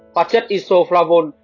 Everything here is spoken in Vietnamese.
hoặc chất isoflavone